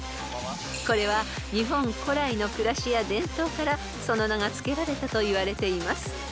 ［これは日本古来の暮らしや伝統からその名が付けられたといわれています］